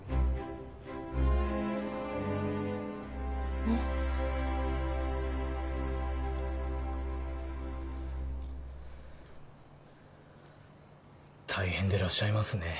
うん大変でらっしゃいますね